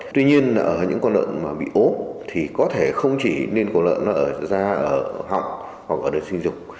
tuy nhiên ở những quán lợn mà bị ố thì có thể không chỉ lên cổ lợn nó ở da ở họng hoặc ở đường sinh dục